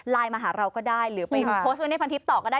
มาหาเราก็ได้หรือไปโพสต์ไว้ในพันทิพย์ต่อก็ได้